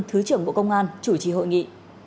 thứ trưởng bộ công an chủ trì hội nghị